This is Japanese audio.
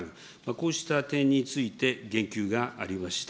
こうした点について、言及がありました。